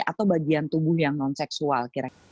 atau bagian tubuh yang non seksual